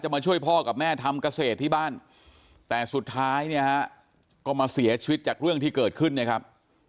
มาช่วยพ่อกับแม่ทำเกษตรที่บ้านแต่สุดท้ายเนี่ยฮะก็มาเสียชีวิตจากเรื่องที่เกิดขึ้นเนี่ยครับ